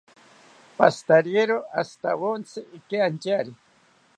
Pashitariero ashitawontzi ikiantyari